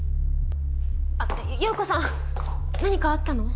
あっ洋子さん何かあったの？